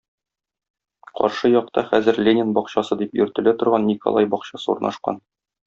Каршы якта хәзер Ленин бакчасы дип йөртелә торган Николай бакчасы урнашкан.